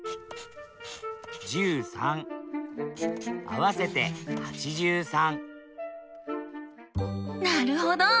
合わせて８３なるほど！